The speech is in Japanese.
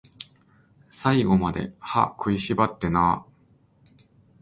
最後まで、歯食いしばってなー